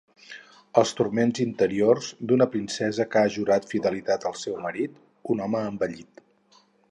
Els turments interiors d'una princesa que ha jurat fidelitat al seu marit, un home envellit.